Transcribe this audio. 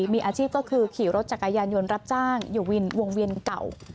มีอาชีพก็คือขี่รถจักรยานยนต์รับจ้างอยู่วงเวียนเก่า